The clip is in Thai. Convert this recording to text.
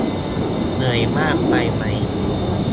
เหนื่อยมากไปไหม